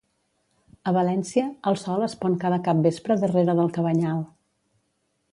A València, el sol es pon cada capvespre darrera del Cabanyal